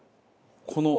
この。